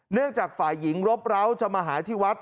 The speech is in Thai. จากฝ่ายหญิงรบร้าวจะมาหาที่วัด